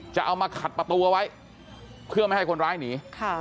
จะเอามาขัดประตูเอาไว้เพื่อไม่ให้คนร้ายหนี